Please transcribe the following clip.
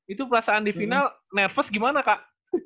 itu perasaan di final nervous gimana kak